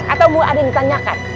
atau buat aneh ditanyakan